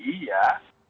paradigma yang kami pahami